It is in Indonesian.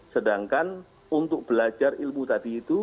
sedangkan untuk belajar ilmu tadi itu